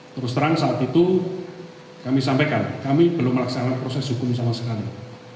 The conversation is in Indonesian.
terus terang saat itu kami sampaikan kami belum melaksanakan proses hukum sama sekali